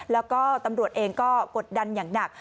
แล้วก็ตำรวจเองก็กดดันอย่างหนัก